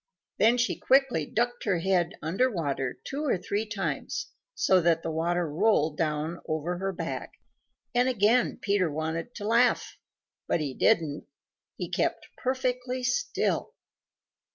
Then she quickly ducked her head under water two or three times so that the water rolled down over her back, and again Peter wanted to laugh. But he didn't. He kept perfectly still.